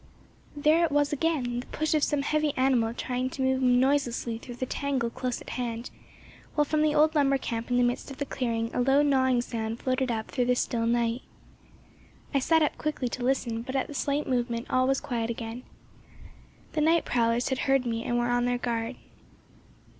There it was again! the push of some heavy animal trying to move noiselessly through the tangle close at hand; while from the old lumber camp in the midst of the clearing a low gnawing sound floated up through the still night. I sat up quickly to listen; but at the slight movement all was quiet again. The night prowlers had heard me and were on their guard.